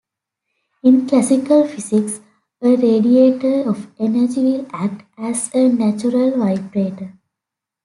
In classical physics, a radiator of energy will act as a natural vibrator.